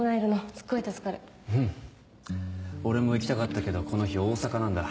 俺も行きたかったけどこの日大阪なんだ。